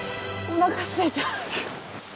おなかすいた。